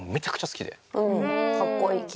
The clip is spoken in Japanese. かっこいい。